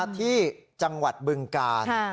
ที่จังหวัดเบื้องกาญ